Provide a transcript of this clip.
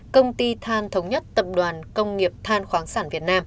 công ty than thống nhất tkv